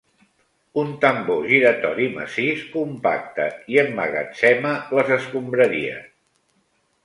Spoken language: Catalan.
Un tambor giratori massís compacta i emmagatzema les escombraries.